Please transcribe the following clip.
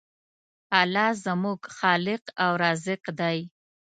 الله زموږ خالق او رازق دی.